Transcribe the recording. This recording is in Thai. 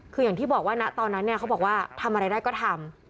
คืออย่างที่บอกว่านะตอนนั้นเนี่ยเขาบอกว่าทำอะไรได้ก็ทำ